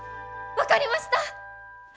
分かりました！